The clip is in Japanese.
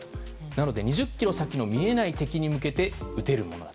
なので２０ｋｍ先の見えない敵に向けて撃てるもの。